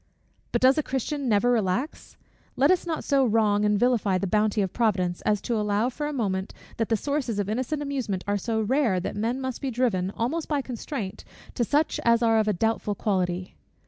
But does a Christian never relax? Let us not so wrong and vilify the bounty of Providence, as to allow for a moment that the sources of innocent amusement are so rare, that men must be driven, almost by constraint, to such as are of a doubtful quality.